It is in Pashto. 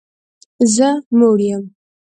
زه موړ یم